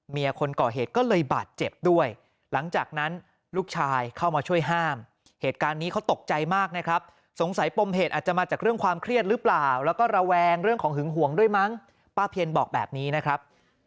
คนก่อเหตุก็เลยบาดเจ็บด้วยหลังจากนั้นลูกชายเข้ามาช่วยห้ามเหตุการณ์นี้เขาตกใจมากนะครับสงสัยปมเหตุอาจจะมาจากเรื่องความเครียดหรือเปล่าแล้วก็ระแวงเรื่องของหึงหวงด้วยมั้งป้าเพียนบอกแบบนี้นะครับ